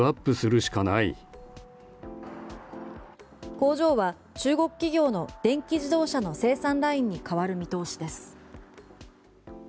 工場は中国企業の電気自動車の生産ラインに変わる見通しです。